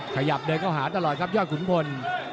ขยับเดินเข้าหาตลอดครับยอดขุนพล